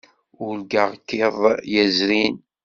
Urgaɣ-k iḍ yezrin.